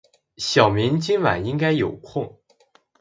小明今晚应该有空。